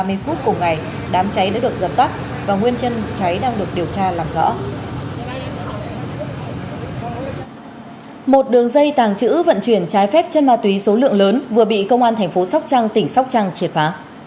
một đường dây tàng chữ vận chuyển trái phép chân ma túy số lượng lớn vừa bị công an tp sốc trăng tỉnh sốc trăng triệt phá